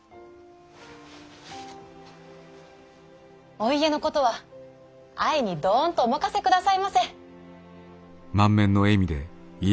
お家のことは愛にどんとお任せくださいませ！